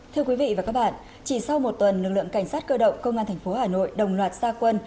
thưa quý vị và các bạn chỉ sau một tuần lực lượng cảnh sát cơ động công an tp hcm đồng loạt xa quân